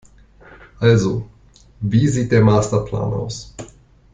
Also, wie sieht der Masterplan aus?